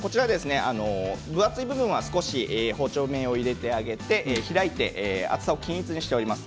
分厚い部分は少し包丁目を入れてあげて開いて厚さを均一にしてあります。